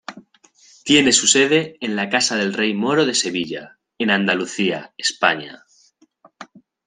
Tiene su sede en la Casa del Rey Moro de Sevilla, en Andalucía, España.